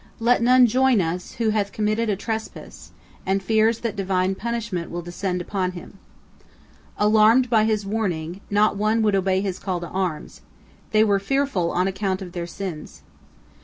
Let none join us who hath committed a trespass, and fears that Divine punishment will descend upon him." Alarmed by his warning, not one would obey his call to arms, they were fearful on account of their sins.